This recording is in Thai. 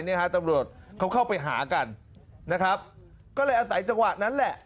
เนี่ยฮะตำรวจเขาเข้าไปหากันนะครับก็เลยอาศัยจังหวะนั้นแหละ